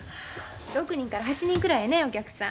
６人から８人くらいやねお客さん。